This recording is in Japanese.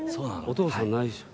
お父さんないしょ？